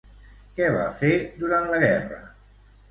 Què va fer durant la guerra?